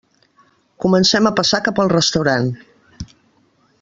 Comencem a passar cap al restaurant.